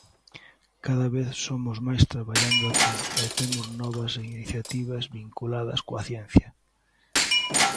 Cada vez somos máis traballando aquí e temos novas iniciativas vinculadas coa ciencia.